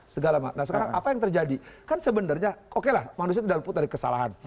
sekarang apa yang terjadi kan sebenarnya oke lah manusia tidak terlalu terlalu kesalahan